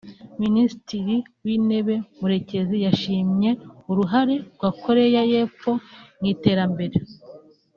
Minisitiri w’Intebe Murekezi yashimye uruhare rwa Koreya y’Epfo mu iterambere